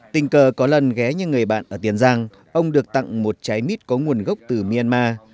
tình cờ có lần ghé như người bạn ở tiền giang ông được tặng một trái mít có nguồn gốc từ myanmar